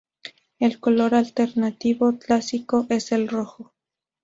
El color alternativo clásico es el rojo.